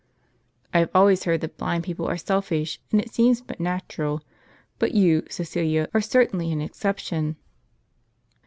" I have always heard that blind people are selfish, and it seems but natural ; but you, Cajcilia, are certainly an exception."